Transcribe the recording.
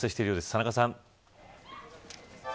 田中さん。